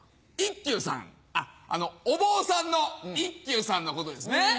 あっあのお坊さんの一休さんのことですね。